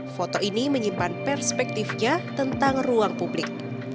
foto ini menyimpan perspektifnya tentang ruang publik